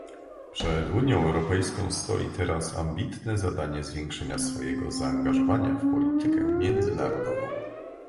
Przed Unią Europejską stoi teraz ambitne zadanie zwiększenia swojego zaangażowania w politykę międzynarodową